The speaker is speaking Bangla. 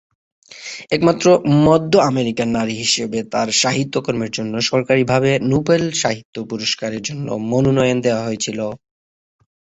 একমাত্র মধ্য আমেরিকান নারী হিসেবে তার সাহিত্যকর্মের জন্য সরকারীভাবে নোবেল সাহিত্য পুরস্কারের জন্য মনোনয়ন দেয়া হয়েছিল।